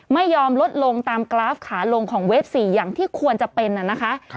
ไม่ยอมลดลงตามกราฟขาลงของเวฟ๔อย่างที่ควรจะเป็นนะคะ